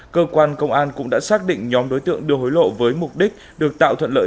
cơ quan công an cũng đã xác định nhóm đối tượng đưa hối lộ với mục đích được tạo thuận lợi